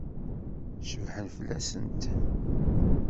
Cebḥen fell-asent?